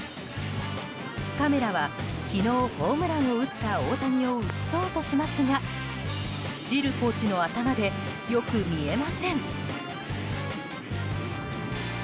カメラは昨日、ホームランを打った大谷を映そうとしますがジルコーチの頭でよく見えません。